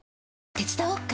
手伝おっか？